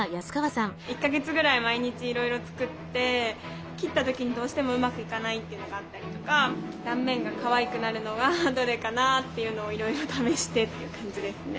１か月ぐらい毎日いろいろ作って切った時にどうしてもうまくいかないっていうのがあったりとか断面がかわいくなるのがどれかなっていうのをいろいろ試してって感じですね。